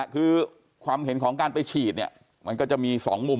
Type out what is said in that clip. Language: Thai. คือความเห็นของที่ฉีดมันก็จะมีสองมุม